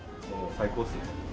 最高っすね。